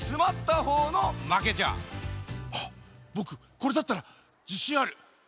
これだったらじしんある。